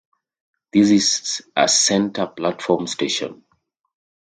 This is a center-platform station.